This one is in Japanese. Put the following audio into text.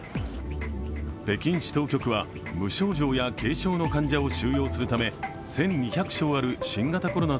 北京市当局は、無症状や軽症の患者を収容するため１２００床ある新型コロナ